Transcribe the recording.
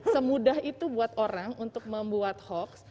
semudah itu buat orang untuk membuat hoax